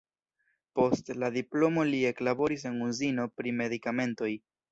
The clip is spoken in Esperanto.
Post la diplomo li eklaboris en uzino pri medikamentoj.